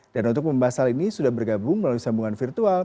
dan untuk pembahasan ini sudah bergabung melalui sambungan virtual